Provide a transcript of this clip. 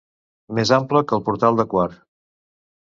Més ample que el portal de Quart.